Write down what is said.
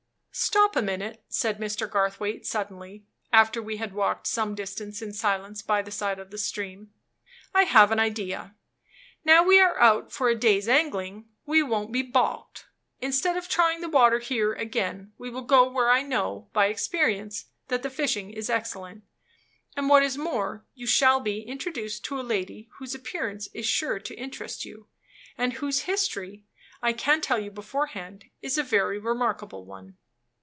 "Stop a minute," said Mr. Garthwaite suddenly, after we had walked some distance in silence by the side of the stream, "I have an idea. Now we are out for a day's angling, we won't be balked. Instead of trying the water here again, we will go where I know, by experience, that the fishing is excellent. And what is more, you shall be introduced to a lady whose appearance is sure to interest you, and whose history, I can tell you beforehand, is a very remarkable one."